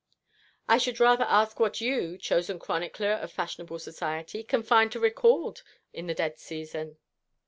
"I should rather ask what you, chosen chronicler of fashionable society, can find to record in the dead season?"